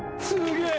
すごい。